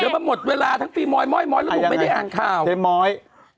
เจ๊มอย